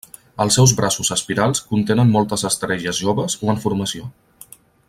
Els seus braços espirals contenen moltes estrelles joves o en formació.